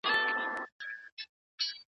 که ته منظم خوب نه کوې، نو ستړیا به دې زیاته شي.